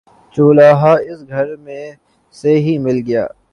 چولہا اس گھر میں سے ہی مل گیا